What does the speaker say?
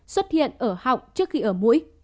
xuất hiện ở họng trước khi ở mũi